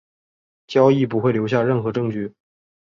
交易不会留下任何证据。